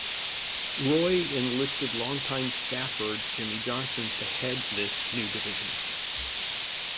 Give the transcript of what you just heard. Roy enlisted longtime staffer Jimmy Johnson to head this new division.